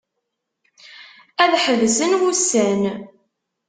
Ad ḥebsen wussan.